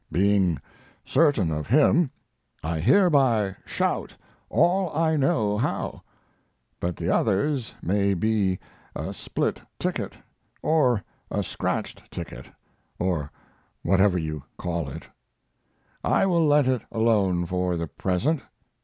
Being certain of him, I hereby shout all I know how. But the others may be a split ticket, or a scratched ticket, or whatever you call it. I will let it alone for the present.